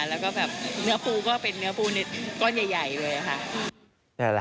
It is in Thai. แล้วก็แบบเนื้อปูก็เป็นเนื้อปูนิดก้อนใหญ่เลยค่ะ